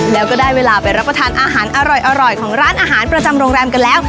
แล้วก็ได้เวลาไปรับประทานอาหารอร่อยของร้านอาหารประจำโรงแรมกันแล้ว